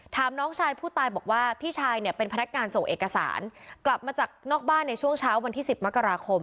น้องชายผู้ตายบอกว่าพี่ชายเนี่ยเป็นพนักงานส่งเอกสารกลับมาจากนอกบ้านในช่วงเช้าวันที่๑๐มกราคม